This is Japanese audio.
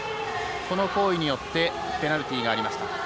この行為によってペナルティーがありました。